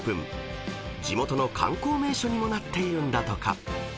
［地元の観光名所にもなっているんだとか］